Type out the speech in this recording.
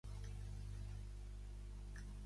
Wain viu a Los Angeles.